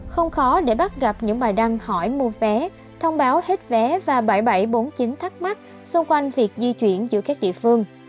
không khó để bắt gặp những bài đăng hỏi mua vé thông báo hết vé và bãi bẫy bốn mươi chín thắc mắc xung quanh việc di chuyển giữa các địa phương